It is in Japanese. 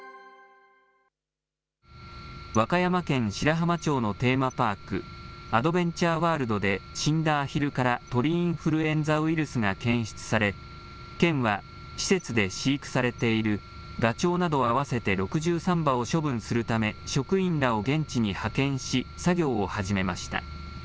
和歌山県白浜町のテーマパーク、アドベンチャーワールドで死んだアヒルから鳥インフルエンザウイルスが検出され、県は施設で飼育されているガチョウなど、合わせて６３羽を処分するため、職員らを現地に派遣し、作業を始めました。